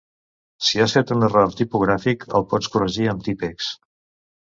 Si has fet un error tipogràfic, el pots corregir amb Tippex.